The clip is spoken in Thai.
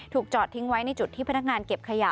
จอดทิ้งไว้ในจุดที่พนักงานเก็บขยะ